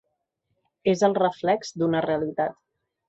És el reflex d’una realitat.